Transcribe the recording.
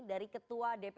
dari ketua dp